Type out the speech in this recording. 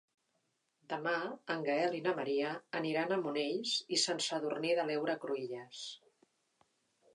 Demà en Gaël i na Maria aniran a Monells i Sant Sadurní de l'Heura Cruïlles.